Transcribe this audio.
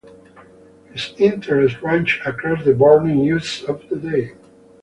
His interests ranged across the burning issues of the day.